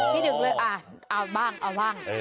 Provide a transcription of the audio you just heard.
พี่หนึ่งเลยอ่ะอ่ะว่าง